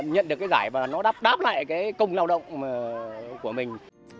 nhận được cái giải và nó đáp lại cái công lao động của mình